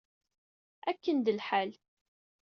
Akken d lḥal!